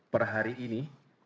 per hari ini